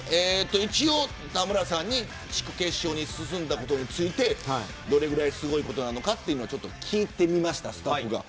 田村さんに地区決勝に進んだことについてどのぐらいすごいことなのか聞いてみました。